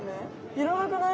いらなくない？